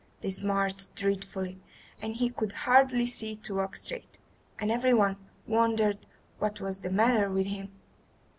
They smarted dreadfully, and he could hardly see to walk straight, and everyone wondered what was the matter with him.